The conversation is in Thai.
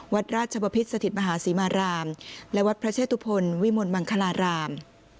วัดราชบพิษสถิตมหาศรีมารามและวัดพระเชตุพลวิมลมังคลาราม